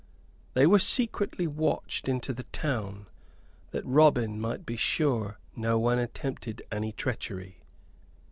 They were secretly watched into the town, that Robin might be sure no one attempted any treachery.